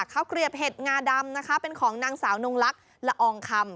เกลียบเห็ดงาดำนะคะเป็นของนางสาวนงลักษณ์ละอองคำ